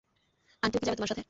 আন্টিও কি যাবে তোমার সাথে?